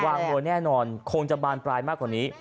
วัวแน่นอนคงจะบานปลายมากกว่านี้